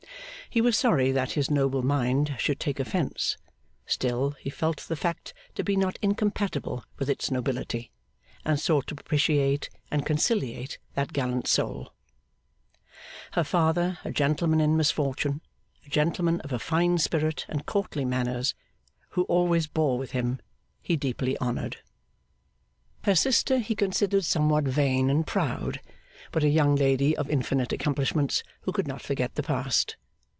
He was sorry that his noble mind should take offence; still, he felt the fact to be not incompatible with its nobility, and sought to propitiate and conciliate that gallant soul. Her father, a gentleman in misfortune a gentleman of a fine spirit and courtly manners, who always bore with him he deeply honoured. Her sister he considered somewhat vain and proud, but a young lady of infinite accomplishments, who could not forget the past.